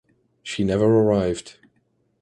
She never arrived.